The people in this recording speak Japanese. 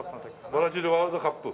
ブラジルワールドカップ。